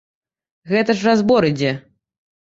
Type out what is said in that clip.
Гэта ж разбор ідзе.